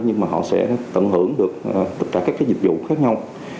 nhưng mà họ sẽ tận hưởng được tất cả các dịch vụ khác nhau